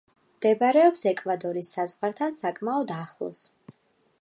მდებარეობს ეკვადორის საზღვართან საკმაოდ ახლოს.